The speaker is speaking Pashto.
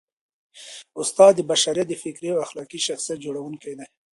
استاد د بشریت د فکري او اخلاقي شخصیت جوړوونکی دی.